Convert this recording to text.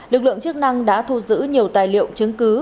lực lượng chức năng đã thu giữ nhiều tài liệu chứng cứ